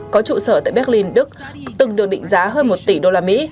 có trụ sở tại berlin đức từng được định giá hơn một tỷ đô la mỹ